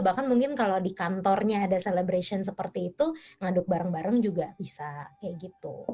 bahkan mungkin kalau di kantornya ada celebration seperti itu ngaduk bareng bareng juga bisa kayak gitu